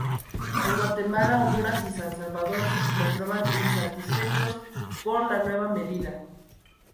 En Guatemala, Honduras y San Salvador se mostraban insatisfechos por la nueva medida.